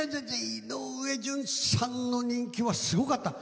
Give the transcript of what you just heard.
井上順さんの人気はすごかった。